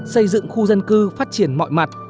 xây dựng khu dân cư phát triển mọi mặt